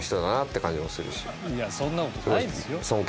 いやそんな事ないですよ。